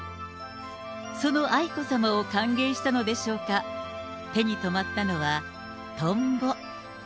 その愛子さまを歓迎したのでしょうか、手に止まったのはトンボ。